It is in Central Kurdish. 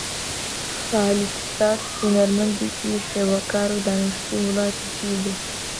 خالید ستار هونەرمەندێکی شێوەکارە و دانیشتووی وڵاتی سویدە.